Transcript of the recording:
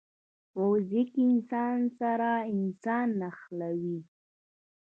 موزیک انسان سره انسان نښلوي.